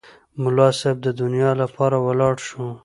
ملا صیب د دعا لپاره ولاړ شو.